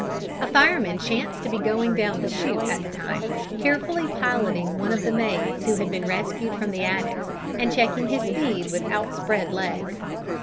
A fireman chanced to be going down the shoot at the time, carefully piloting one of the maids who had been rescued from the attics, and checking his speed with outspread legs.